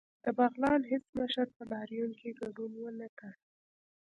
د بغلان هیڅ مشر په لاریون کې ګډون ونکړ